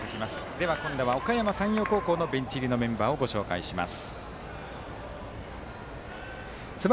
では今度は、おかやま山陽高校のベンチ入りのメンバーをご紹介します。